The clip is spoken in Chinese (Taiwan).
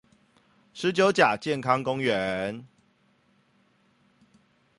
十九甲健康公園